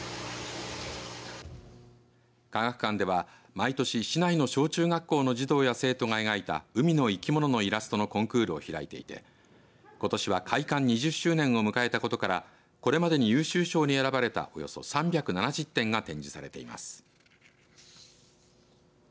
科学館では毎年市内の小中学校の児童や生徒が描いた海の生き物のイラストのコンクールを開いていてことしは開館２０周年を迎えたことからこれまでに優秀賞に選ばれたおよそ３７０点が展示されています。